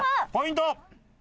ポイント。